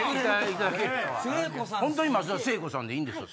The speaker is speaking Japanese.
本当に松田聖子さんでいいんですか？